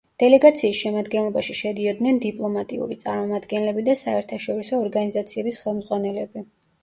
დელეგაციის შემადგენლობაში შედიოდნენ დიპლომატიური წარმომადგენლები და საერთაშორისო ორგანიზაციების ხელმძღვანელები.